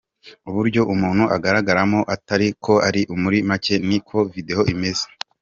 uburyo umuntu agaragaramo atari ko ari muri make ni ko video imeze.